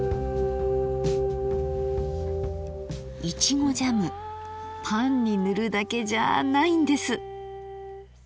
苺ジャムパンに塗るだけじゃないんです！